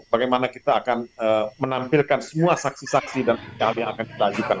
bagaimana kita akan menampilkan semua saksi saksi dan hal yang akan kita ajukan